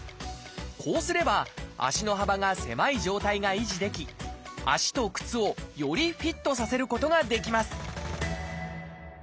こうすれば足の幅が狭い状態が維持でき足と靴をよりフィットさせることができます